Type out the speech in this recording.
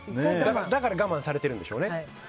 だから我慢されてるんでしょうね。